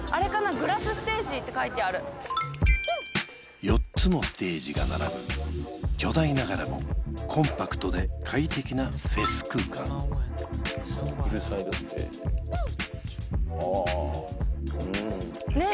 ＧＲＡＳＳＳＴＡＧＥって書いてある４つのステージが並ぶ巨大ながらもコンパクトで快適なフェス空間ねえ